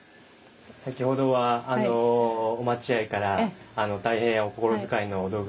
先ほどはお待合から大変お心遣いのお道具